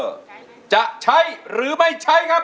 ใช้ไหมจะใช้หรือไม่ใช้ครับ